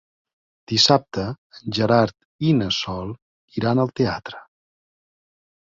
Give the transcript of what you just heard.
Dissabte en Gerard i na Sol iran al teatre.